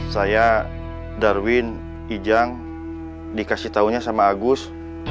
saya darwin ijang dikasih taunya sama agus